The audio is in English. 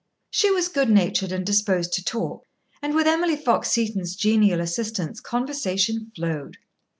She was good natured and disposed to talk, and, with Emily Fox Seton's genial assistance, conversation flowed.